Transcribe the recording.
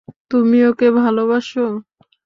তুমি ওকে ভালোবাস।